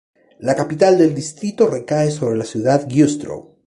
La capital del distrito recae sobre la ciudad Güstrow.